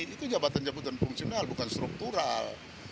itu jabatan jabatan fungsional bukan struktural